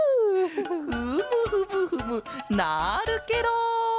フムフムフムなるケロ！